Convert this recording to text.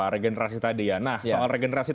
regenerasi tadi ya nah soal regenerasi